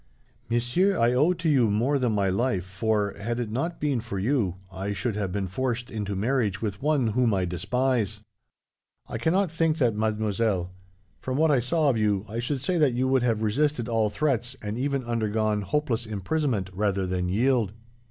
"Monsieur, I owe to you more than my life, for, had it not been for you, I should have been forced into marriage with one whom I despise." "I cannot think that, mademoiselle. From what I saw of you, I should say that you would have resisted all threats, and even undergone hopeless imprisonment, rather than yield."